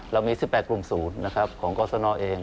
เรามี๑๘กลุ่มศูนย์ของกษณะเอง